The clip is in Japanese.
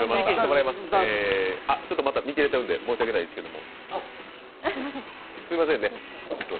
ちょっとまた、見切れてるんで申し訳ないですけど。